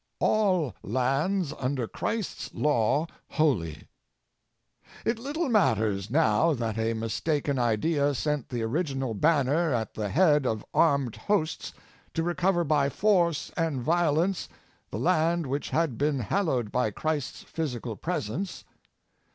All Lands Under Christ*s Law Holy It little matters now that a mistaken idea sent the original banner at the head of armed hosts to recover by force and violence the land which had been hallowed by Christ's physical presence.